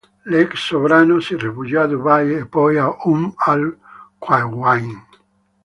L'ex sovrano si rifugiò a Dubai e poi a Umm al-Qaywayn.